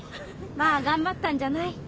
まあ頑張ったんじゃない？